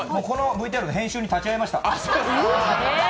このＶＴＲの編集に立ち会いました。